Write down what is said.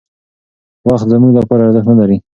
وخت زموږ لپاره ارزښت نهلري.